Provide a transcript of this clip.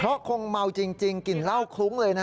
เพราะคงเมาจริงกลิ่นเหล้าคลุ้งเลยนะ